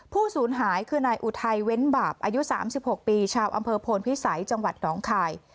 ศูนย์หายคือนายอุทัยเว้นบาปอายุ๓๖ปีชาวอำเภอโพนพิสัยจังหวัดหนองคาย